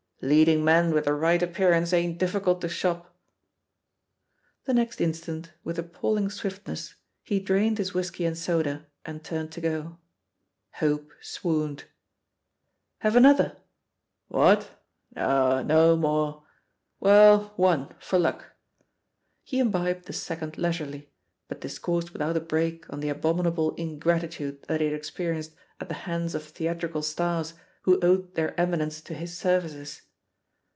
"Leading men with the right appear ance ain't difficult to shop." The next instant, with appalling swiftness, he drained his whisky and soda and turned to go. Hope swooned. "Have another 1" "What? No, no more ••• well one, for luck I" He imbibed the second leisurely, but dis coursed without a break on the abominable in gratitude that he had experienced at the hands. 26 THE POSITION OF PEGGY HARPER of theatrical stars who owed their eminence to his services.